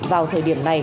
vào thời điểm này